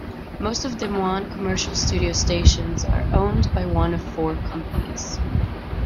Most of Des Moines' commercial radio stations are owned by one of four companies.